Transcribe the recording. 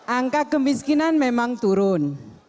angka kemiskinan memang turun